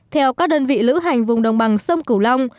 theo các đơn vị lữ hành vùng đồng bằng sông cửu long